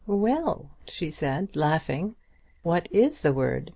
"Well," she said laughing, "what is the word?